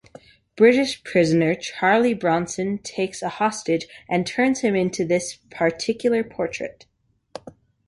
British prisoner Charlie Bronson takes a hostage and turns him into this particular portrait.